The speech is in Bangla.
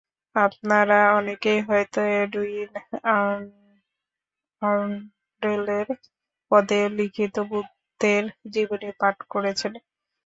আপনারা অনেকেই হয়তো এডুইন আর্নল্ডের পদ্যে লিখিত বুদ্ধের জীবনী পাঠ করেছেন।